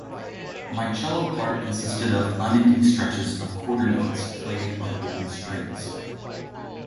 My cello part consisted of unending stretches of quarter notes played on open strings.